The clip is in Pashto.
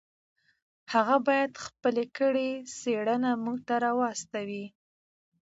هغه باید خپله کړې څېړنه موږ ته راواستوي.